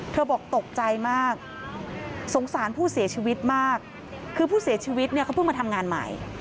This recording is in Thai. บอกตกใจมากสงสารผู้เสียชีวิตมากคือผู้เสียชีวิตเนี่ยเขาเพิ่งมาทำงานใหม่